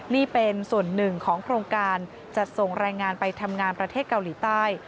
นี่เป็นส่วนหนึ่งของโครงการจัดส่งแรงงานไปทำงานประเทศเกาหลีใต้